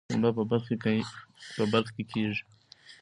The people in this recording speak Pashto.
پنبه په بلخ کې کیږي